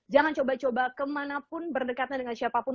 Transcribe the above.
jangan coba coba kemanapun berdekatan dengan siapapun